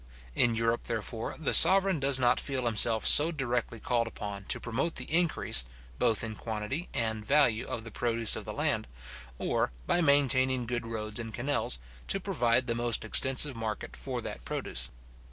In Europe, therefore, the sovereign does not feel himself so directly called upon to promote the increase, both in quantity and value of the produce of the land, or, by maintaining good roads and canals, to provide the most extensive market for that produce.